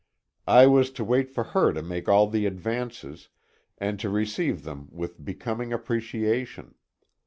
I was to wait for her to make all the advances, and to receive them with becoming appreciation.